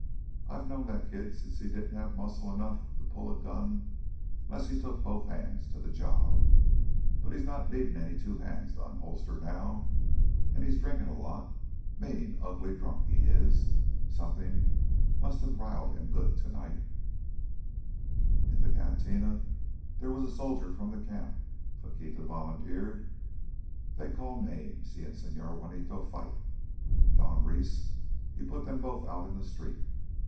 I've knowed that kid since he didn't have muscle enough to pull a gun 'less he took both hands to th' job. But he's not needin' any two hands to unholster now. An' he's drinkin' a lot—mean, ugly drunk, he is. Somethin' must have riled him good tonight—" "In the cantina there was a soldier from the camp," Faquita volunteered. "They call names. He and Señor Juanito fight. Don Reese, he put them both out in the street.